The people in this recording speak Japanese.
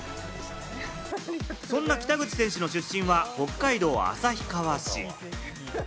そんな北口選手の出身は北海道旭川市。